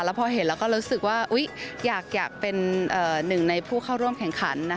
พอเห็นแล้วก็รู้สึกว่าอยากเป็นหนึ่งในผู้เข้าร่วมแข่งขัน